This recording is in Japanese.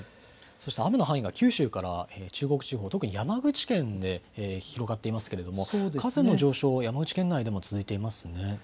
雨の範囲が九州から中国地方、特に山口県で広がっていますが河川の上昇、山口県内でも続いていますね。